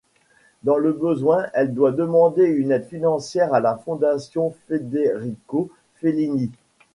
Dans le besoin, elle doit demander une aide financière à la fondation Federico-Fellini.